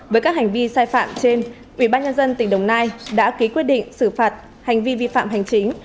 với các hành vi sai phạm trên ubnd tỉnh đồng nai đã ký quyết định xử phạt hành vi vi phạm hành chính